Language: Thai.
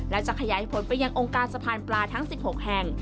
และจะขยายผลไปยังองค์การสะพานปลาทั้ง๑๖แห่ง